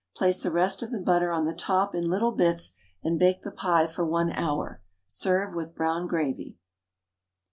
Place the rest of the butter on the top in little bits, and bake the pie for 1 hour. Serve with brown gravy.